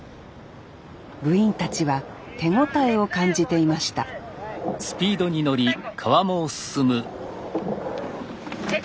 部員たちは手応えを感じていましたさあいこう。